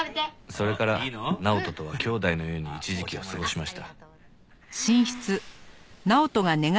それから直人とは兄弟のように一時期を過ごしました。